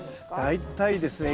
大体ですね